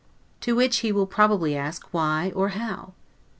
To which he will probably ask, Why, or how?